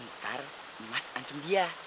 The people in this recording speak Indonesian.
ntar mas ancam dia